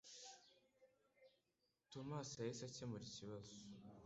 Tomasi yahise akemura ikibazo